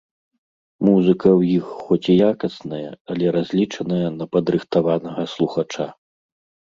Музыка ў іх хоць і якасная, але разлічаная на падрыхтаванага слухача.